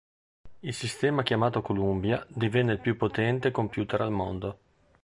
Il sistema chiamato Columbia divenne il più potente computer al mondo.